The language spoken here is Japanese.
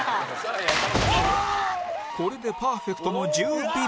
これでパーフェクトの１０ビビリ